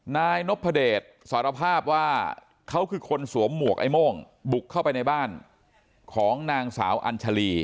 นายนพเดชสารภาพว่าเขาคือคนสวมหมวกไอ้โม่งบุกเข้าไปในบ้านของนางสาวอัญชาลี